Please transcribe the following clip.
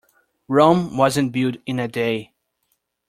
Rome wasn't built in a day.